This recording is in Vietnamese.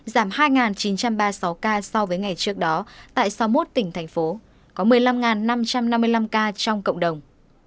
giảm hai chín trăm ba mươi sáu ca so với ngày trước đó tại sáu mươi một tỉnh thành phố có một mươi năm năm trăm năm mươi năm ca trong cộng đồng